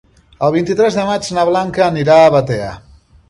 El vint-i-tres de maig na Blanca anirà a Batea.